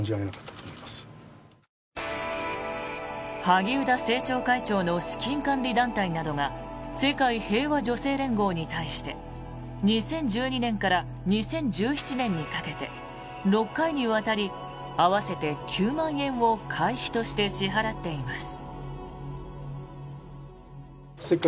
萩生田政調会長の資金管理団体などが世界平和女性連合に対して２０１２年から２０１７年にかけて６回にわたり合わせて９万円を会費として支払っています。